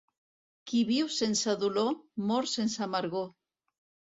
Qui viu sense dolor, mor sense amargor.